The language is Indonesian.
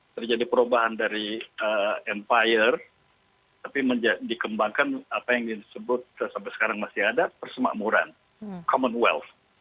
terjadi perubahan dari empire tapi dikembangkan apa yang disebut sampai sekarang masih ada persemakmuran commonwealth